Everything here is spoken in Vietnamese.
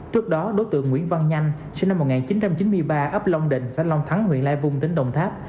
trước đó đối tượng nguyễn văn nhanh sinh năm một nghìn chín trăm chín mươi ba ấp long định xã long thắng huyện lai vung tỉnh đồng tháp